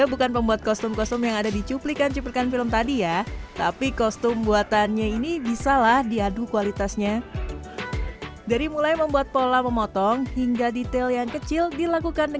untuk itulah pria ini hadir